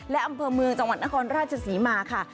และอำเภอเมืองจังหวัดนครราชศรีมาค่ะ